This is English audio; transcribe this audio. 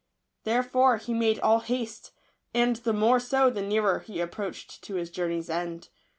Therefore he made all haste, and the more so the nearer he approached to his journey s end.